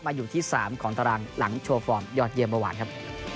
อยู่ที่๓ของตารางหลังโชว์ฟอร์มยอดเยี่ยมเมื่อวานครับ